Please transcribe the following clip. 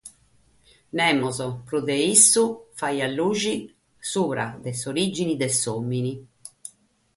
Nemos prus de issu fagheit lughe subra de s'orìgine de s'òmine.